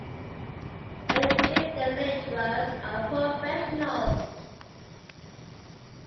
Many fifth-year lecturers are professionals.